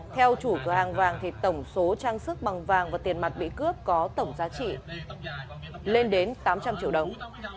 theo chủ cửa hàng vàng thì tổng số trang sức bằng vàng và tiền mặt bị cướp có tổng giá trị lên đến tám trăm linh triệu đồng